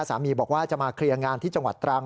สามีบอกว่าจะมาเคลียร์งานที่จังหวัดตรัง